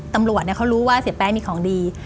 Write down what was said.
ตำรวจเขารู้ว่าเสียแป้งมีของดี